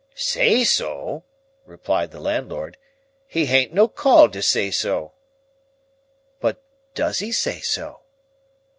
"Say so!" replied the landlord. "He han't no call to say so." "But does he say so?"